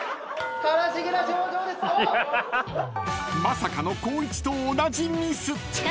［まさかの光一と同じミス］